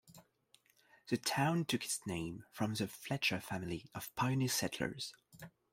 The town took its name from the Fletcher family of pioneer settlers.